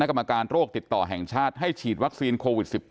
กรรมการโรคติดต่อแห่งชาติให้ฉีดวัคซีนโควิด๑๙